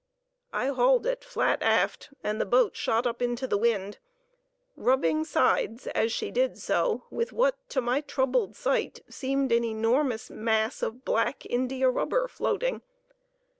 I hauled it flat aft, and the boat shot up into the wind, rubbing sides as she did so with what to my troubled sight seemed an enormous mass of black india rubber floating.